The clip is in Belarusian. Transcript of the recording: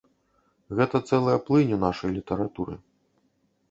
Гэта цэлая плынь у нашай літаратуры.